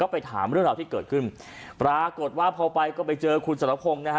ไปถามเรื่องราวที่เกิดขึ้นปรากฏว่าพอไปก็ไปเจอคุณสรพงศ์นะฮะ